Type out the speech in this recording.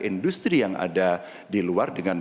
industri yang ada di luar dengan